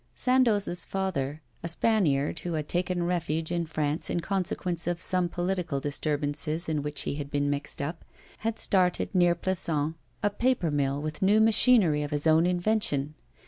Sandoz's father, a Spaniard, who had taken refuge in France in consequence of some political disturbances in which he had been mixed up, had started, near Plassans, a paper mill with new machinery of his own invention.